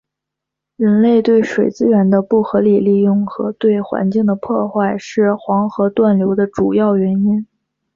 人类对水资源的不合理利用和对环境的破坏是黄河断流的主要原因。